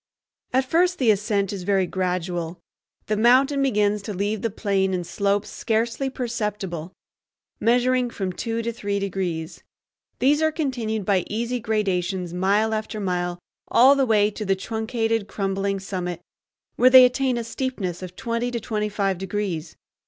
At first the ascent is very gradual. The mountain begins to leave the plain in slopes scarcely perceptible, measuring from two to three degrees. These are continued by easy gradations mile after mile all the way to the truncated, crumbling summit, where they attain a steepness of twenty to twenty five degrees.